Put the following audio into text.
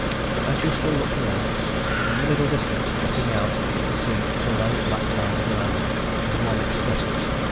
As you still look north, in the middle distance, jutting out into the sea, is a low black line of land, with one excrescence.